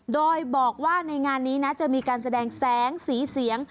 โดยบอกว่าในงานนี้นะจะมีการแสดงแสงสีเสียง